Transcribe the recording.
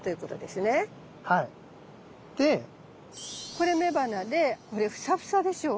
これ雌花でこれフサフサでしょう。